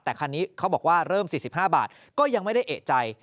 แต่คันนี้เขาบอกว่าเริ่ม๔๕บาทก็ยังไม่ได้เอกใจ